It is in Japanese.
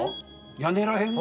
屋根ら辺？